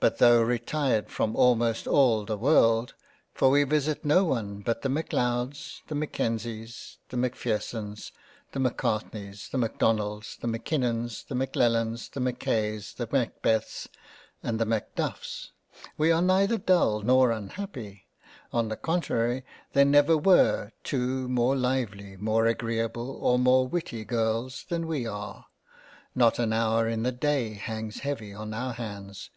But tho' retired from almost all the World, (for we visit no one but the M'Leods, The M'Kenzies, the M'Phersons, the M'Cartneys, the M'Donalds, The M'kinnons, the M'lellans, the M'kays, the Macbeths and the Macduffs) we are neither dull nor unhappy ; on the contrary there never were two more lively, more agreable or more witty girls, than we are ; not an hour in the Day hangs heavy on our Hands.